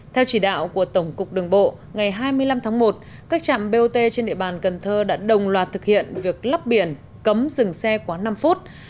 theo chỉ đạo của tổng cục đường bộ ngày hai mươi năm tháng một các trạm bot trên địa bàn cần thơ đã đồng loạt thực hiện việc lắp biển cấm dừng xe quá năm phút